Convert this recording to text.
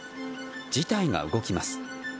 事態が動きます。